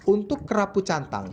untuk kerabu cantang